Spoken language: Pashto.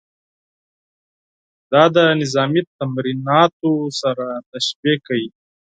دا له نظامي تمریناتو سره تشبیه کوي.